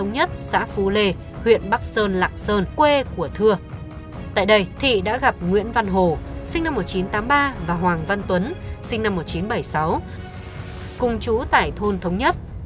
nguyễn văn hồ sinh năm một nghìn chín trăm tám mươi ba và hoàng văn tuấn sinh năm một nghìn chín trăm bảy mươi sáu cùng chú tải thôn thống nhất